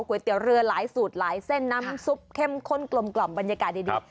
เตี๋ยวเรือหลายสูตรหลายเส้นน้ำซุปเข้มข้นกลมบรรยากาศดี